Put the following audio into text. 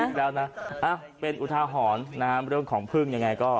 อีกแล้วนะเป็นอุทาหรณ์นะฮะเรื่องของพึ่งยังไงก็